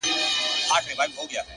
او ښه په ډاگه درته وايمه چي _